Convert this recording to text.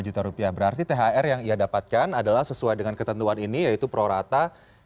lima juta rupiah berarti thr yang ia dapatkan adalah sesuai dengan ketentuan ini yaitu pro rata